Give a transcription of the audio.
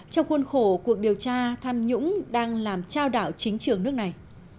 trong khuôn khổ cuộc điều tra tham nhũng đang làm trao đảo chính trường nước này